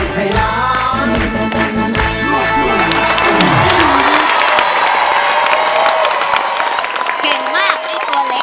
เก่งมากไอ้ตัวเล็ก